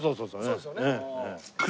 そうですよね。